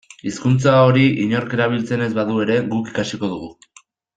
Hizkuntza hori inork erabiltzen ez badu ere guk ikasiko dugu.